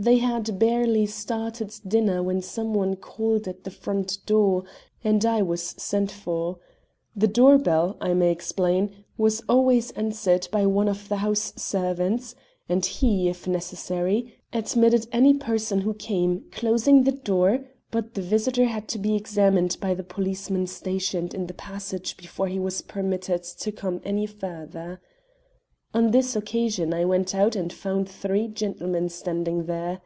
They had barely started dinner when some one called at the front door, and I was sent for. The door bell, I may explain, was always answered by one of the house servants, and he, if necessary, admitted any person who came, closing the door; but the visitor had to be examined by the policeman stationed in the passage before he was permitted to come any further. On this occasion I went out and found three gentlemen standing there.